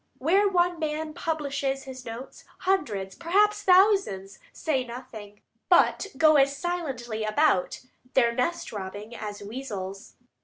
Where one man publishes his notes, hundreds, perhaps thousands, say nothing, but go as silently about their nest robbing as weasels.